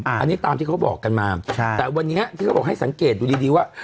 อันนี้ตามที่เขาบอกกันมาแต่วันนี้ที่เขาบอกให้สังเกตดูดีดีว่า